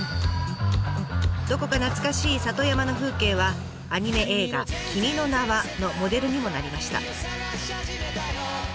どこか懐かしい里山の風景はアニメ映画「君の名は。」のモデルにもなりました。